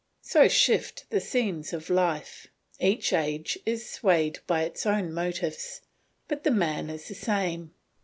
So shift the scenes of life; each age is swayed by its own motives, but the man is the same.